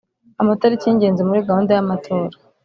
Amatariki y’ingenzi muri gahunda y’amatora